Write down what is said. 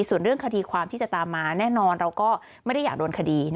ส่วนเรื่องคดีความที่จะตามมาแน่นอนเราก็ไม่ได้อยากโดนคดี